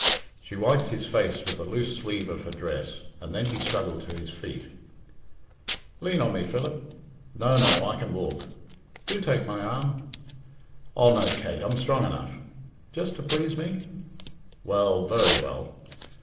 She wiped his face with the loose sleeve of her dress, and then he struggled to his feet. "Lean on me, Philip." "No, no, I can walk." "Do take my arm." "Oh no, Kate, I'm strong enough." "Just to please me." "Well very well."